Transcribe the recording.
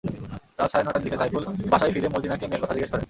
রাত সাড়ে নয়টার দিকে সাইফুল বাসায় ফিরে মর্জিনাকে মেয়ের কথা জিজ্ঞেস করেন।